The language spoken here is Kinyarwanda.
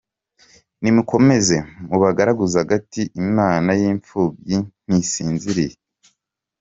Nimukomeze mubagaraguze agati Imana yinfubyi ntisinziriye